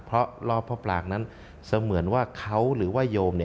เพราะรอบพระปรางนั้นเสมือนว่าเขาหรือว่าโยม